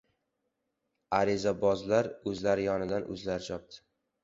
Arizabozlar o‘zlari yonidan o‘zlari chopdi.